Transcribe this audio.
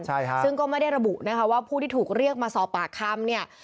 ซึ่งก็ไม่ได้ระบุว่าผู้ที่ถูกเรียกมาสอบปากคำ